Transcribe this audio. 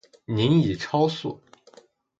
您已超速